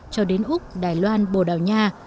cho đến úc đài loan bồ đào nha